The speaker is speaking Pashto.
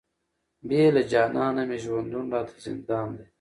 بې له جانانه مي ژوندون راته زندان دی،